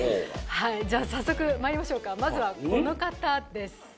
はいじゃあ早速まいりましょうかまずはこの方です